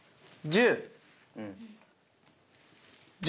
１０。